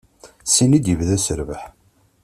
Syinna i d-yebda aserbeḥ.